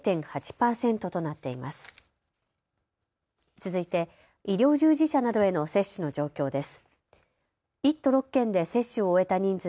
続いて医療従事者などへの接種の状況です。